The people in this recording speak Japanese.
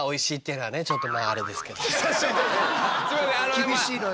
厳しいのよ。